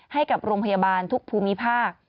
ให้กับโรงพยาบาลทุกภูมิภาค